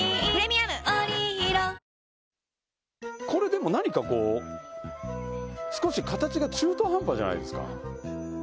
これ、でも何か、こう少し形が中途半端じゃないですか？